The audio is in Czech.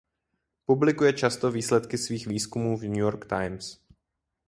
Publikuje často výsledky svých výzkumů v New York Times.